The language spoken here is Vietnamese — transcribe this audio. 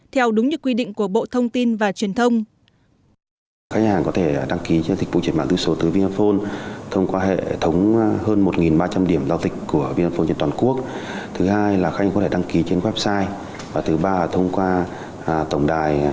theo đúng như quy định của bộ thông tin và truyền thông